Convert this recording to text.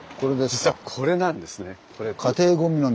実はこれなんですね。